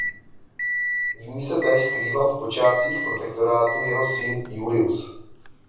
V ní se též skrýval v počátcích Protektorátu jeho syn Julius.